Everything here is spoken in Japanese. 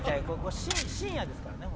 深夜ですからね。